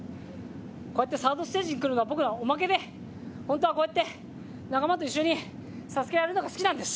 こうやってサードステージにくるのは、僕のおまけで、本当はこうやって仲間と一緒にＳＡＳＵＫＥをやるのが好きなんです。